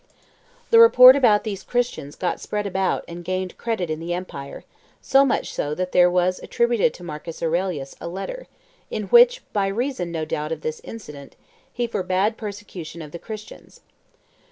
The report about these Christians got spread abroad and gained credit in the Empire, so much so that there was attributed to Marcus Aurelius a letter, in which, by reason, no doubt, of this incident, he forbade persecution of the Christians.